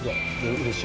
うれしい？